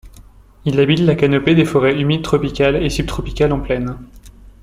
Il habite la canopée des forêts humides tropicales et subtropicales en plaine.